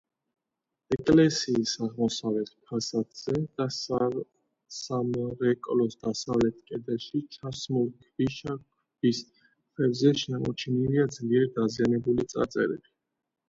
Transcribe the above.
ეკლესიის აღმოსავლეთ ფასადზე და სამრეკლოს დასავლეთ კედელში ჩასმულ ქვიშაქვის ქვებზე შემორჩენილია ძლიერ დაზიანებული წარწერები.